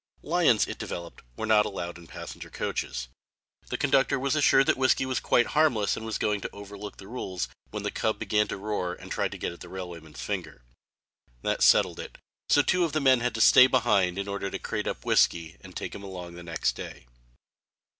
Lions, it developed, were not allowed in passenger coaches. The conductor was assured that "Whiskey" was quite harmless and was going to overlook the rules when the cub began to roar and tried to get at the railwayman's finger. That settled it, so two of the men had to stay behind in order to crate up "Whiskey" and take him along the next day.